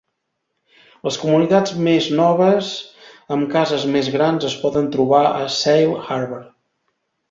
Les comunitats més noves amb cases més grans es poden trobar a Sail Harbor.